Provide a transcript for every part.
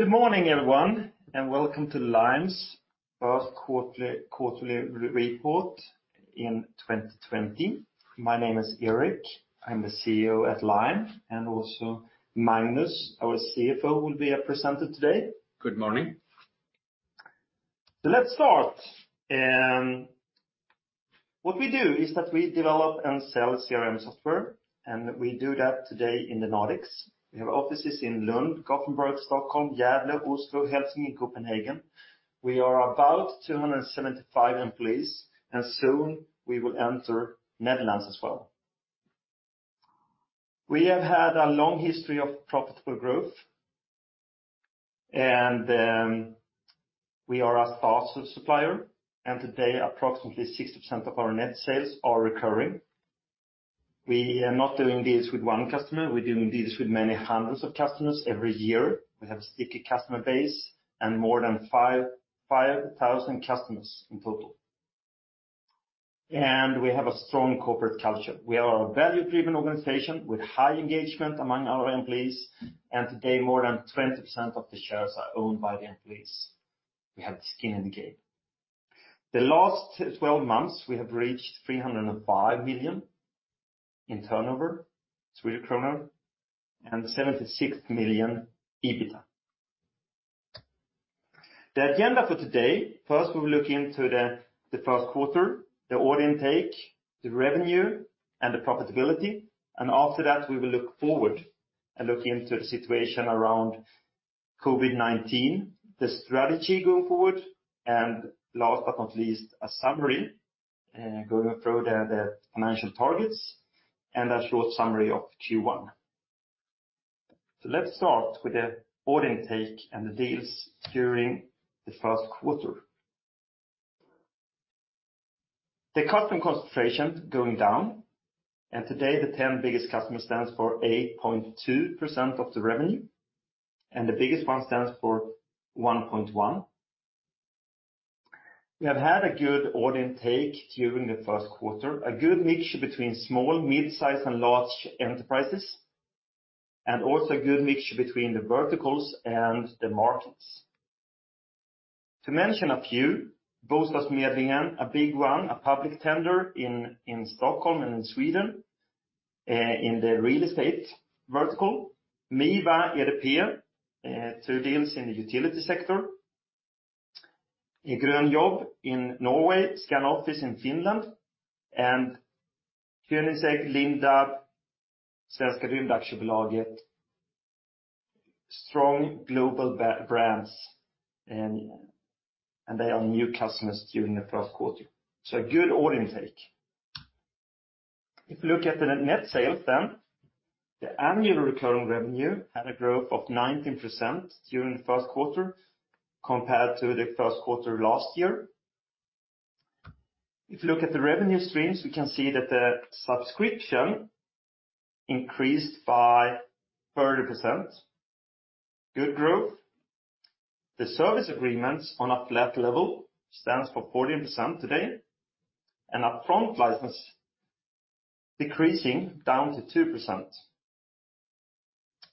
Good morning, everyone, and welcome to Lime's first quarterly report in 2020. My name is Erik. I'm the CEO at Lime, and also Magnus, our CFO, will be presenting today. Good morning. So let's start. What we do is that we develop and sell CRM software, and we do that today in the Nordics. We have offices in Lund, Gothenburg, Stockholm, Gävle, Oslo, Helsinki, and Copenhagen. We are about 275 employees, and soon we will enter the Netherlands as well. We have had a long history of profitable growth, and we are a fast supplier, and today approximately 60% of our net sales are recurring. We are not doing this with one customer; we're doing this with many hundreds of customers every year. We have a sticky customer base and more than 5,000 customers in total. And we have a strong corporate culture. We are a value-driven organization with high engagement among our employees, and today more than 20% of the shares are owned by the employees. We have the skin in the game. The last 12 months, we have reached 305 million in turnover and 76 million Swedish kronor EBITDA. The agenda for today: first, we will look into the first quarter, the order intake, the revenue, and the profitability and after that, we will look forward and look into the situation around COVID-19, the strategy going forward, and last but not least, a summary going through the financial targets and a short summary of Q1, so let's start with the order intake and the deals during the first quarter. The customer concentration is going down, and today the 10 biggest customers stand for 8.2% of the revenue, and the biggest one stands for 1.1%. We have had a good order intake during the first quarter, a good mixture between small, mid-size, and large enterprises, and also a good mixture between the verticals and the markets. To mention a few: Bostadsförmedlingen, a big one, a public tender in Stockholm and in Sweden in the real estate vertical; Miva, EDP, two deals in the utility sector; Grønn Jobb in Norway; Scanoffice in Finland; and Koenigsegg, Lindab, Svenska Rymdaktiebolaget, strong global brands, and they are new customers during the first quarter, so a good order intake. If we look at the net sales then, the annual recurring revenue had a growth of 19% during the first quarter compared to the first quarter last year. If we look at the revenue streams, we can see that the subscription increased by 30%. Good growth. The service agreements on a flat level stand for 14% today, and upfront license decreasing down to 2%.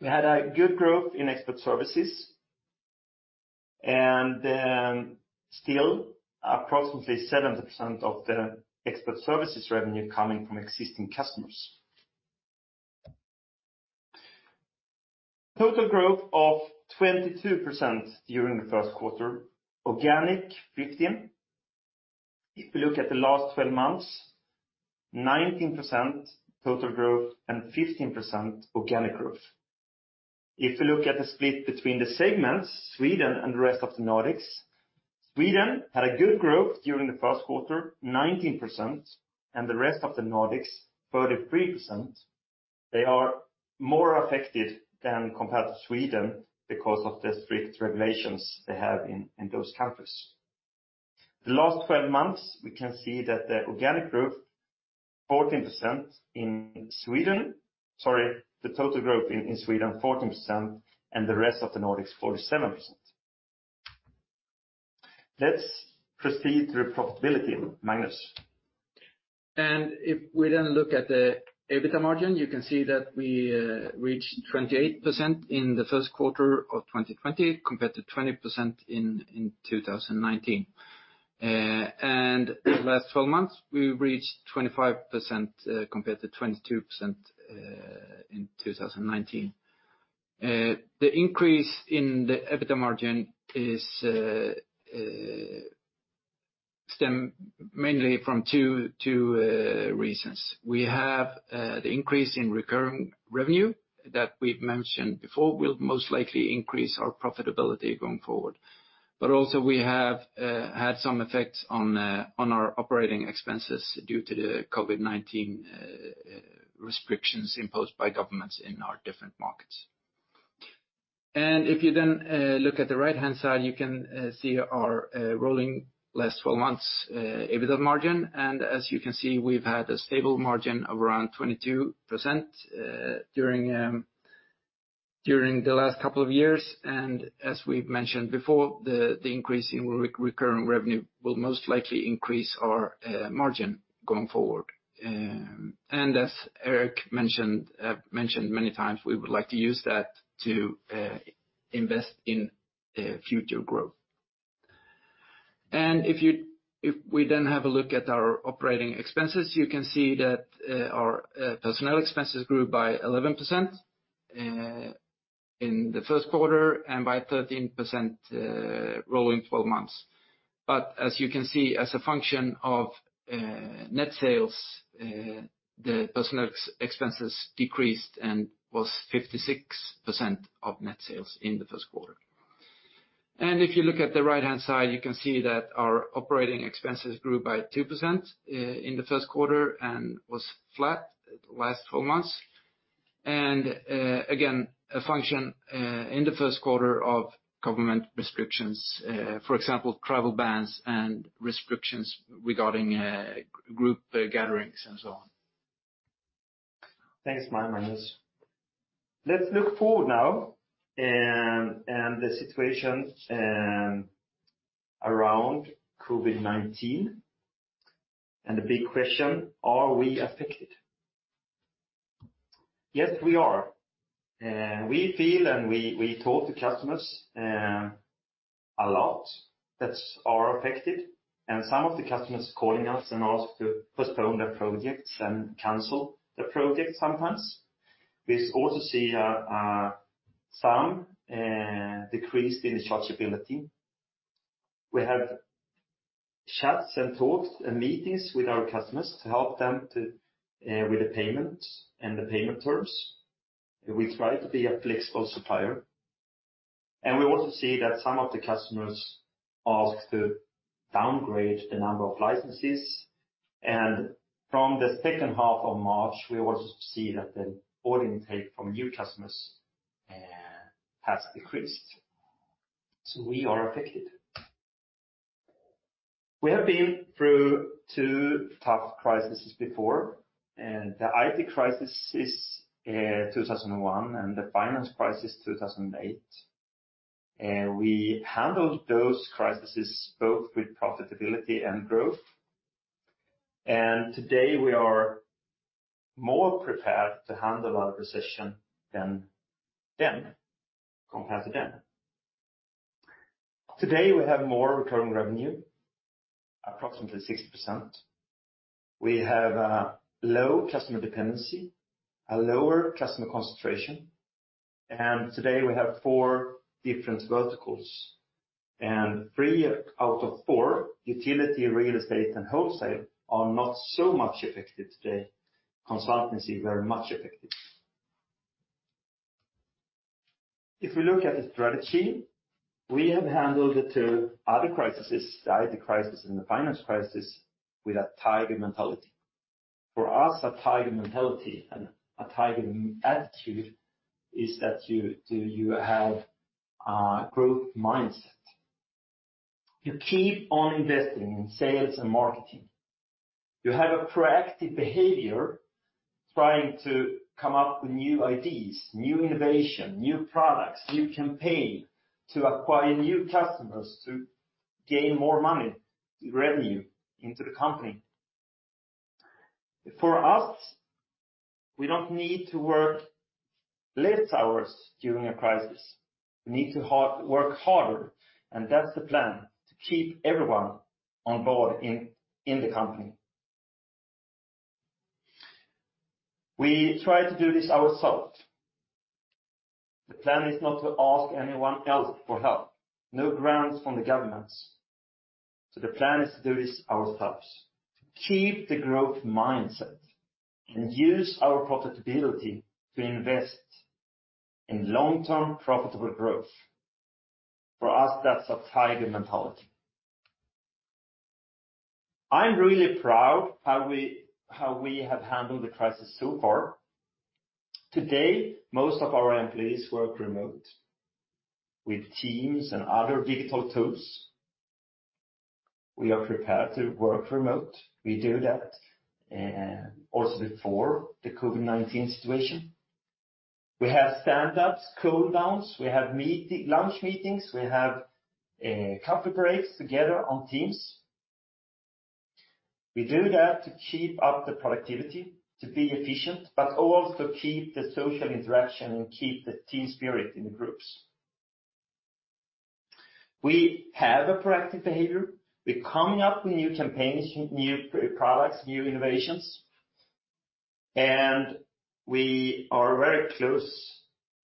We had a good growth in expert services, and still approximately 70% of the expert services revenue coming from existing customers. Total growth of 22% during the first quarter, organic 15%. If we look at the last 12 months, 19% total growth and 15% organic growth. If we look at the split between the segments, Sweden and the rest of the Nordics, Sweden had a good growth during the first quarter, 19%, and the rest of the Nordics, 33%. They are more affected than compared to Sweden because of the strict regulations they have in those countries. The last 12 months, we can see that the organic growth is 14% in Sweden. Sorry, the total growth in Sweden is 14%, and the rest of the Nordics, 47%. Let's proceed to the profitability, Magnus. If we then look at the EBITDA margin, you can see that we reached 28% in the first quarter of 2020 compared to 20% in 2019. The last 12 months, we reached 25% compared to 22% in 2019. The increase in the EBITDA margin stems mainly from two reasons. We have the increase in recurring revenue that we've mentioned before will most likely increase our profitability going forward. Also, we have had some effects on our operating expenses due to the COVID-19 restrictions imposed by governments in our different markets. If you then look at the right-hand side, you can see our rolling last 12 months' EBITDA margin. As you can see, we've had a stable margin of around 22% during the last couple of years. As we've mentioned before, the increase in recurring revenue will most likely increase our margin going forward. As Erik mentioned many times, we would like to use that to invest in future growth. If we then have a look at our operating expenses, you can see that our personnel expenses grew by 11% in the first quarter and by 13% rolling 12 months. But as you can see, as a function of net sales, the personnel expenses decreased and was 56% of net sales in the first quarter. If you look at the right-hand side, you can see that our operating expenses grew by 2% in the first quarter and was flat the last 12 months. Again, a function in the first quarter of government restrictions, for example, travel bans and restrictions regarding group gatherings and so on. Thanks, Magnus. Let's look forward now and the situation around COVID-19 and the big question: Are we affected? Yes, we are. We feel and we talk to customers a lot that are affected, and some of the customers are calling us and asking to postpone their projects and cancel their projects sometimes. We also see some decrease in the chargeability. We have chats and talks and meetings with our customers to help them with the payment and the payment terms. We try to be a flexible supplier. And we also see that some of the customers ask to downgrade the number of licenses. And from the second half of March, we also see that the order intake from new customers has decreased. So we are affected. We have been through two tough crises before. The IT crisis is 2001 and the finance crisis is 2008. We handled those crises both with profitability and growth. And today we are more prepared to handle our recession than then compared to then. Today we have more recurring revenue, approximately 60%. We have low customer dependency, a lower customer concentration. And today we have four different verticals. And three out of four, utility, real estate, and wholesale, are not so much affected today. Consultancy is very much affected. If we look at the strategy, we have handled the two other crises, the IT crisis and the finance crisis, with a Tiger mentality. For us, a Tiger mentality and a Tiger attitude is that you have a growth mindset. You keep on investing in sales and marketing. You have a proactive behavior trying to come up with new ideas, new innovation, new products, new campaigns to acquire new customers to gain more money revenue into the company. For us, we don't need to work less hours during a crisis. We need to work harder, and that's the plan to keep everyone on board in the company. We try to do this ourselves. The plan is not to ask anyone else for help, no grants from the governments, so the plan is to do this ourselves, to keep the growth mindset and use our profitability to invest in long-term profitable growth. For us, that's a Tiger mentality. I'm really proud of how we have handled the crisis so far. Today, most of our employees work remote with Teams and other digital tools. We are prepared to work remote. We do that also before the COVID-19 situation. We have stand-ups, cool-downs. We have lunch meetings. We have coffee breaks together on Teams. We do that to keep up the productivity, to be efficient, but also to keep the social interaction and keep the team spirit in the groups. We have a proactive behavior. We're coming up with new campaigns, new products, new innovations, and we are very close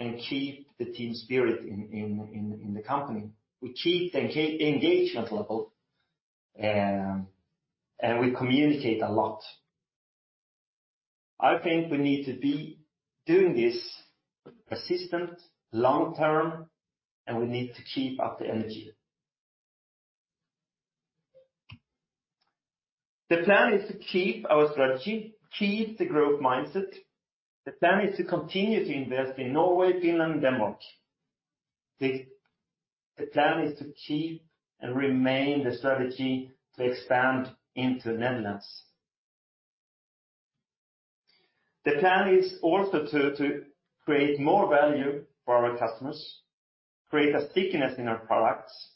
and keep the team spirit in the company. We keep the engagement level, and we communicate a lot. I think we need to be doing this persistently long-term, and we need to keep up the energy. The plan is to keep our strategy, keep the growth mindset. The plan is to continue to invest in Norway, Finland, and Denmark. The plan is to keep and remain the strategy to expand into the Netherlands. The plan is also to create more value for our customers, create a stickiness in our products.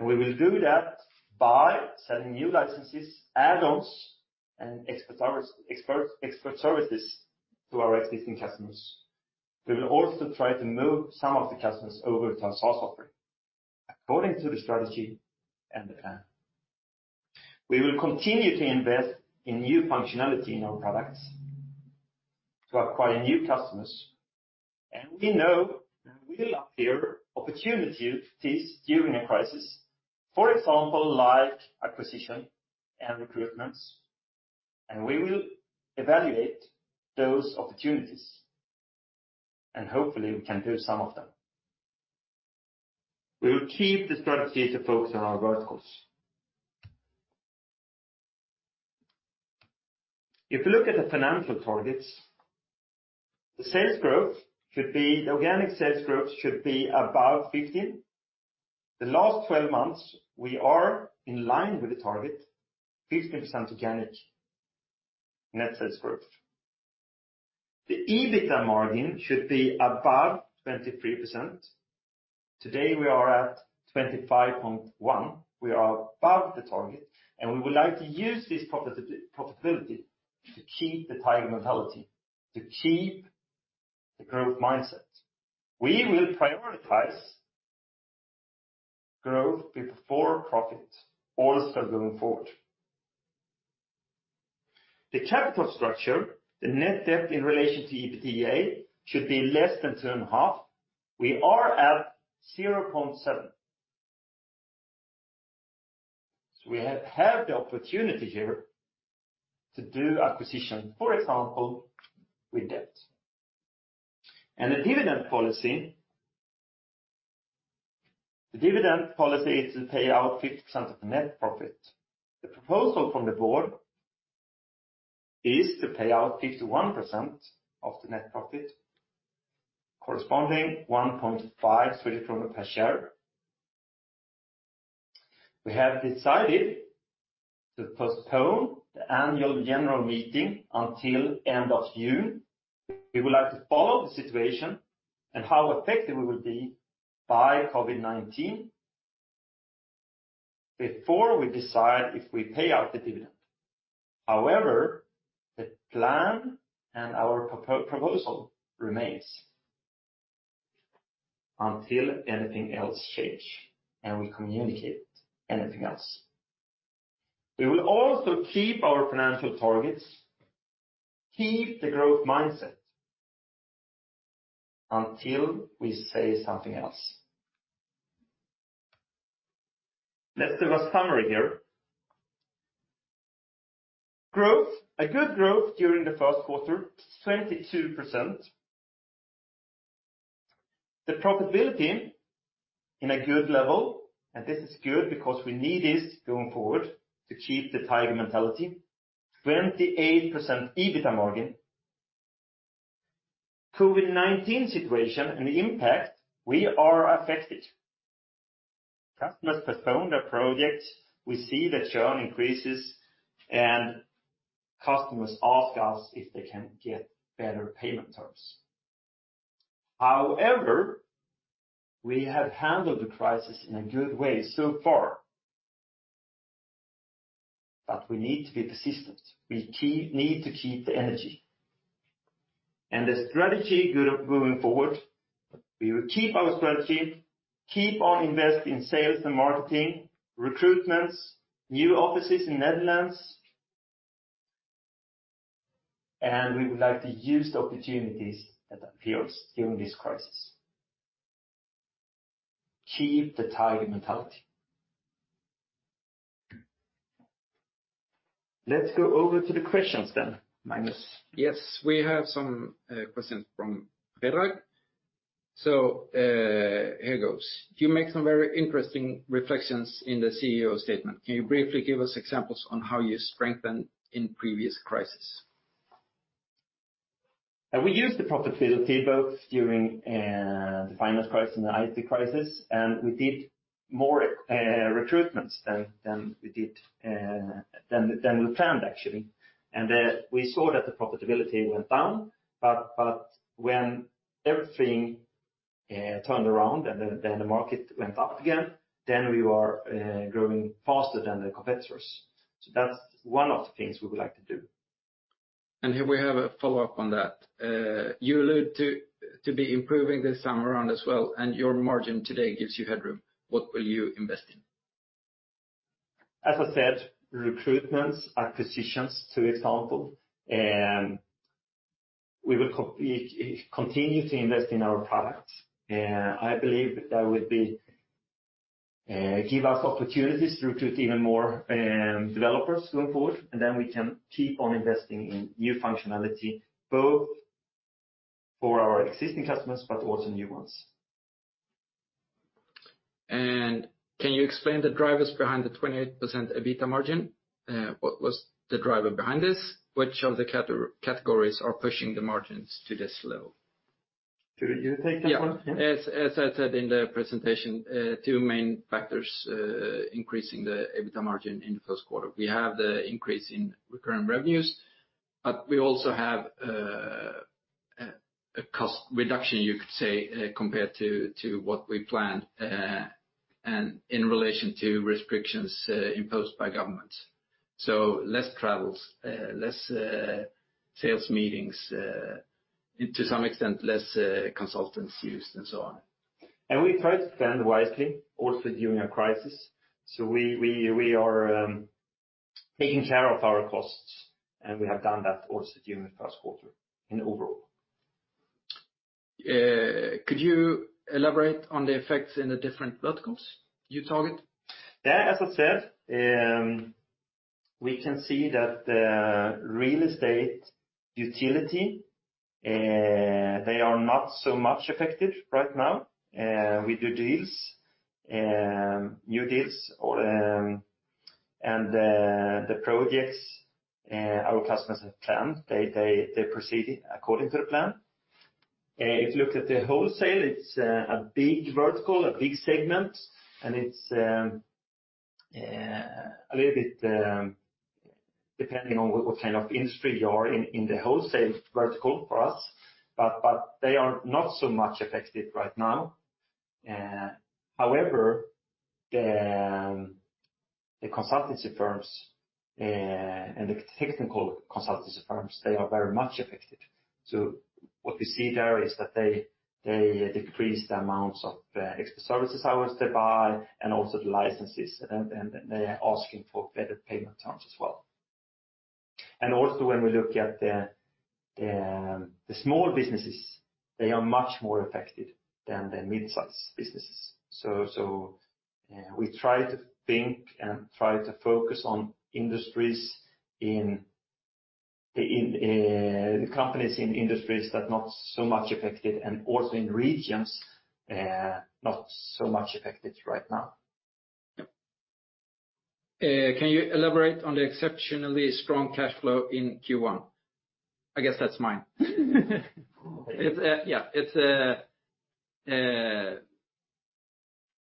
We will do that by selling new licenses, add-ons, and expert services to our existing customers. We will also try to move some of the customers over to our SaaS offering according to the strategy and the plan. We will continue to invest in new functionality in our products to acquire new customers. And we know there will appear opportunities during a crisis, for example, like acquisition and recruitments. And we will evaluate those opportunities. And hopefully, we can do some of them. We will keep the strategy to focus on our verticals. If we look at the financial targets, the organic sales growth should be above 15%. The last 12 months, we are in line with the target, 15% organic net sales growth. The EBITDA margin should be above 23%. Today, we are at 25.1%. We are above the target, and we would like to use this profitability to keep the Tiger mentality, to keep the growth mindset. We will prioritize growth before profit also going forward. The capital structure, the net debt in relation to EBITDA should be less than two and a half. We are at 0.7%. So we have the opportunity here to do acquisition, for example, with debt. And the dividend policy, the dividend policy is to pay out 50% of the net profit. The proposal from the board is to pay out 51% of the net profit, corresponding to 1.5% per share. We have decided to postpone the annual general meeting until the end of June. We would like to follow the situation and how affected we will be by COVID-19 before we decide if we pay out the dividend. However, the plan and our proposal remain until anything else changes, and we communicate anything else. We will also keep our financial targets, keep the growth mindset until we say something else. Let's do a summary here. Growth, a good growth during the first quarter, 22%. The profitability is in a good level, and this is good because we need this going forward to keep the Tiger mentality, 28% EBITDA margin. The COVID-19 situation and the impact, we are affected. Customers postpone their projects. We see the churn increases, and customers ask us if they can get better payment terms. However, we have handled the crisis in a good way so far, but we need to be persistent. We need to keep the energy, and the strategy going forward, we will keep our strategy, keep on investing in sales and marketing, recruitments, new offices in the Netherlands. And we would like to use the opportunities that appear during this crisis. Keep the Tiger mentality. Let's go over to the questions then, Magnus. Yes, we have some questions from Predrag. So here goes. You make some very interesting reflections in the CEO statement. Can you briefly give us examples on how you strengthened in previous crises? We used the profitability both during the financial crisis and the IT crisis, and we did more recruitments than we planned, actually, and we saw that the profitability went down, but when everything turned around and the market went up again, then we were growing faster than the competitors, so that's one of the things we would like to do. Here we have a follow-up on that. You alluded to be improving this time around as well. Your margin today gives you headroom. What will you invest in? As I said, recruitments, acquisitions, for example. We will continue to invest in our products. I believe that would give us opportunities to recruit even more developers going forward. And then we can keep on investing in new functionality, both for our existing customers but also new ones. Can you explain the drivers behind the 28% EBITDA margin? What was the driver behind this? Which of the categories are pushing the margins to this level? Do you take that one? Yes. As I said in the presentation, two main factors increasing the EBITDA margin in the first quarter. We have the increase in recurring revenues, but we also have a cost reduction, you could say, compared to what we planned in relation to restrictions imposed by government. So less travels, less sales meetings, to some extent, less consultants used, and so on. We try to spend wisely also during a crisis. We are taking care of our costs, and we have done that also during the first quarter in overall. Could you elaborate on the effects in the different verticals you target? Yeah, as I said, we can see that real estate, utility, they are not so much affected right now. We do deals, new deals, and the projects our customers have planned, they proceed according to the plan. If you look at the wholesale, it's a big vertical, a big segment, and it's a little bit depending on what kind of industry you are in the wholesale vertical for us. But they are not so much affected right now. However, the consultancy firms and the technical consultancy firms, they are very much affected. So what we see there is that they decrease the amounts of expert services hours they buy and also the licenses, and they are asking for better payment terms as well. And also, when we look at the small businesses, they are much more affected than the mid-size businesses. So we try to think and try to focus on companies in industries that are not so much affected and also in regions not so much affected right now. Can you elaborate on the exceptionally strong cash flow in Q1? I guess that's mine. Yeah,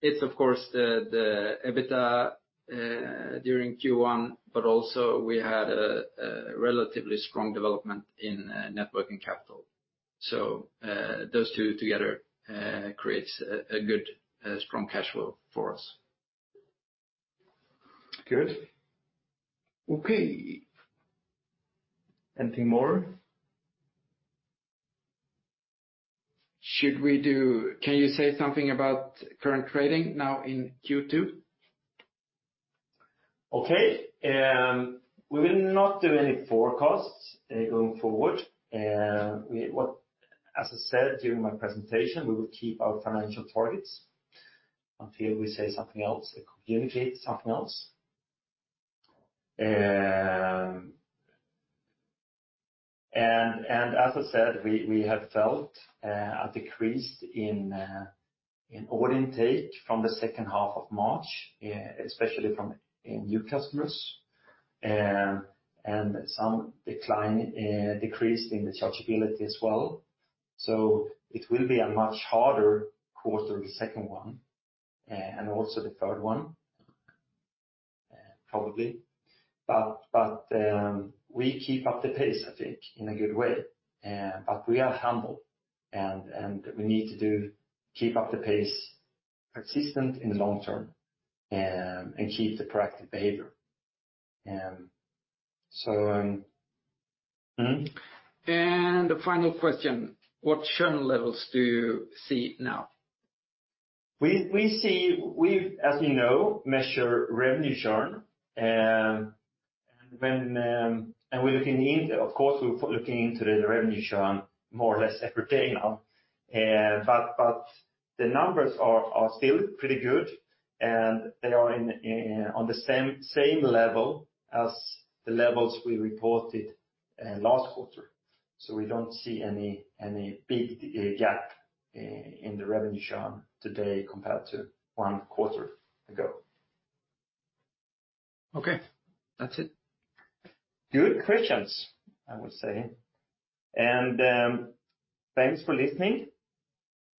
it's, of course, the EBITDA during Q1, but also we had a relatively strong development in net working capital. So those two together create a good strong cash flow for us. Good. Okay. Anything more? Can you say something about current trading now in Q2? Okay. We will not do any forecasts going forward. As I said during my presentation, we will keep our financial targets until we say something else, communicate something else, and as I said, we have felt a decrease in order intake from the second half of March, especially from new customers, and some decrease in the chargeability as well, so it will be a much harder quarter, the second one and also the third one, probably, but we keep up the pace, I think, in a good way, but we are humble, and we need to keep up the pace consistently in the long term and keep the proactive behavior. So. A final question. What churn levels do you see now? We see, as you know, measure revenue churn, and we're looking into it. Of course, we're looking into the revenue churn more or less every day now, but the numbers are still pretty good, and they are on the same level as the levels we reported last quarter, so we don't see any big gap in the revenue churn today compared to one quarter ago. Okay. That's it. Good questions, I would say. And thanks for listening.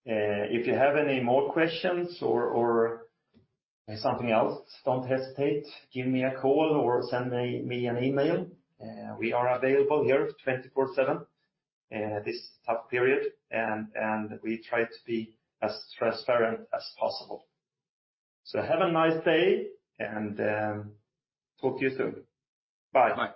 If you have any more questions or something else, don't hesitate to give me a call or send me an email. We are available here 24/7 in this tough period, and we try to be as transparent as possible. So have a nice day and talk to you soon. Bye.